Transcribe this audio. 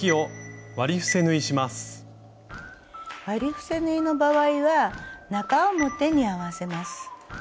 割り伏せ縫いの場合は中表に合わせます。